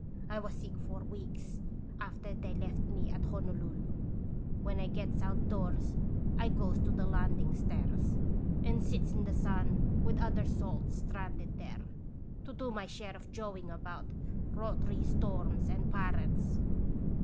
I was sick for weeks after they left me at Hono lulu. When I gets outdoors I goes to the land ing stairs and sits in the sun with other salts stranded there, to do my share of jawing about rot'ry storms and pirates.